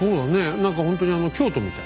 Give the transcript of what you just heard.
何かほんとに京都みたい。